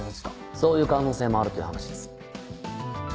そういう可能性もあるという話です。